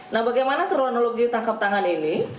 nah bagaimana kronologi tangkap tangan ini